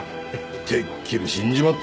てっきり死んじまったもんかと。